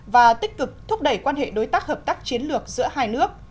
và tích cực thúc đẩy quan hệ đối tác hợp tác chiến lược giữa hai nước